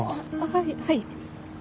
はいはい。